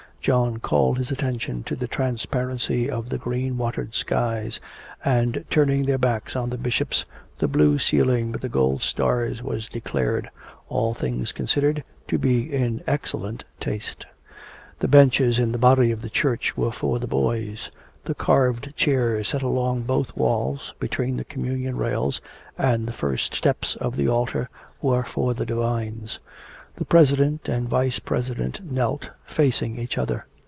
John called his attention to the transparency of the green watered skies; and turning their backs on the bishops, the blue ceiling with the gold stars was declared, all things considered, to be in excellent taste. The benches in the body of the church were for the boys; the carved chairs set along both walls, between the communion rails and the first steps of the altar, were for the divines. The president and vice president knelt facing each other.